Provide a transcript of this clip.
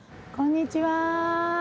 こんにちは。